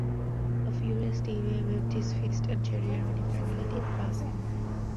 A furious Tambay waved his fist at Jarier when he finally did pass him.